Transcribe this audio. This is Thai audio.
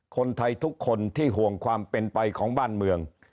คนไทยทุกคนที่ห่วงความเป็นไปของบ้านเมือง